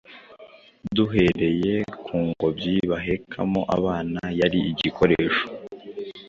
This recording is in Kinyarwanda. Duhereye ku ngobyi bahekagamo abana, yari igikoresho